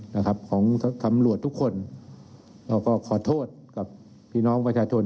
นะครับของตำรวจทุกคนเราก็ขอโทษกับพี่น้องประชาชน